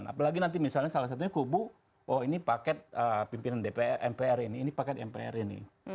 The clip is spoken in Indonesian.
apalagi nanti misalnya salah satunya kubu oh ini paket pimpinan mpr ini